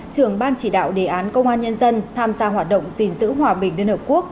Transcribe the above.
trưởng ban chỉ đạo đề án công an nhân dân tham gia hoạt động gìn giữ hòa bình liên hợp quốc